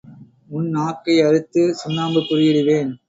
உண்ணாக்கை அறுத்துச் சுண்ணாம்புக் குறி இடுவேன்.